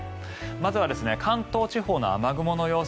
まずは関東地方の雨雲の様子